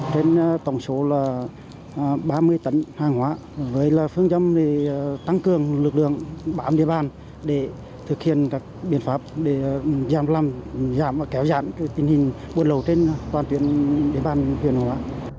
trên tổng số là ba mươi tấn hàng hóa với phương chấm tăng cường lực lượng bản địa bàn để thực hiện các biện pháp để giảm kéo dạn tình hình buôn lậu trên toàn tuyến địa bàn huyện hóa